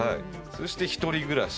そして「一人暮らし」